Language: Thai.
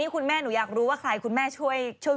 คุณแม่อยากรู้ว่าใครคุณแม่ช่วยวิเคราะห์นินิดนึง